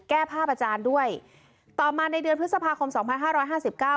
แก้ภาพอาจารย์ด้วยต่อมาในเดือนพฤษภาคมสองพันห้าร้อยห้าสิบเก้า